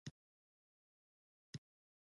وژنه نه بښل کېږي، نه هېرېږي